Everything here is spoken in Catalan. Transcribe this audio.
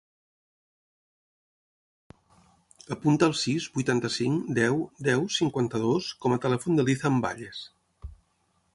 Apunta el sis, vuitanta-cinc, deu, deu, cinquanta-dos com a telèfon de l'Ethan Valles.